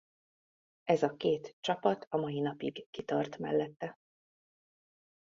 Ez a két csapat a mai napig kitart mellette.